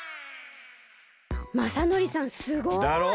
まさのりさんすごい！だろ？